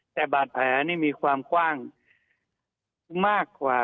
แต่บาดแผลนี่มีความกว้างมากกว่า